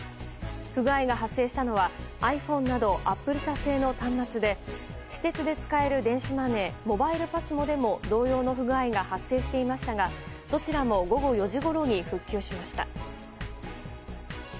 不具合が発生したのはｉＰｈｏｎｅなどアップル社製の端末で私鉄で使える電子マネーモバイルＰＡＳＭＯでも同様の不具合が発生していましたがどちらも午後４時ごろに復旧しました。